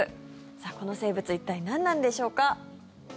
さあ、この生物一体、何なんでしょうか。